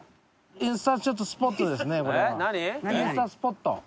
インスタスポット。